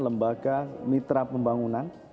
lembaga mitra pembangunan